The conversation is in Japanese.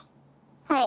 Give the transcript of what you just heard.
はい。